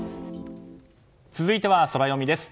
続いてはソラよみです。